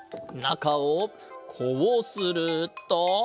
なかをこうすると。